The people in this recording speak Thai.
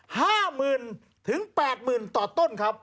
๕หมื่นถึง๘หมื่นต่อต้นครับ